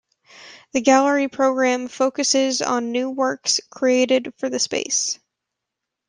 The gallery programme focuses on new works created for the space.